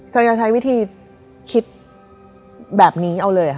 ก็จะใช้วิธีคิดแบบนี้เอาเลย